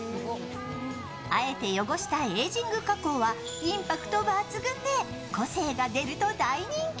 あえて汚したエージング加工はインパクト抜群で個性が出ると大人気。